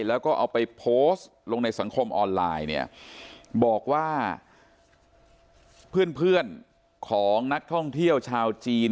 แล้วก็เอาไปโพสต์ลงในสังคมออนไลน์เนี่ยบอกว่าเพื่อนเพื่อนของนักท่องเที่ยวชาวจีน